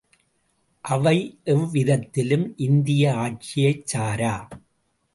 அவை எவ்விதத்திலும் இந்திய ஆட்சியைச் சாரா.